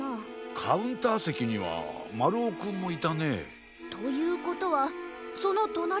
カウンターせきにはまるおくんもいたね。ということはそのとなりだから。